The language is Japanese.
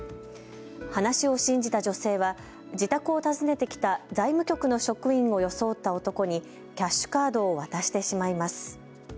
話を信じた女性は自宅を訪ねてきた財務局の職員を装った男にキャッシュカードを渡してしまいます。